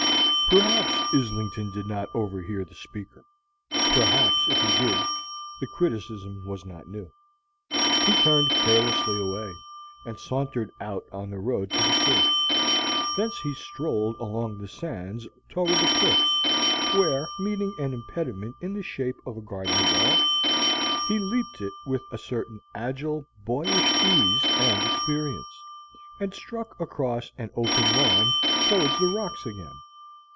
Perhaps Islington did not overhear the speaker; perhaps, if he did, the criticism was not new. He turned carelessly away, and sauntered out on the road to the sea. Thence he strolled along the sands toward the cliffs, where, meeting an impediment in the shape of a garden wall, he leaped it with a certain agile, boyish ease and experience, and struck across an open lawn toward the rocks again.